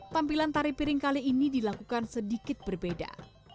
tampilan tari piring kali ini dilakukan sedikit berbeda